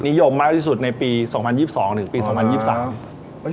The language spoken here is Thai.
นิยมมากที่สุดในปี๒๐๒๒หรือปี๒๐๒๓